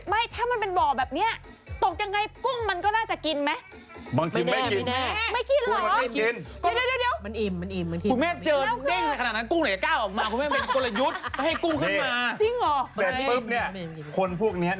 หากเป็นบ่อแบบนี้ตกยังไงกุ้งมันก็น่าจะกินมั้ย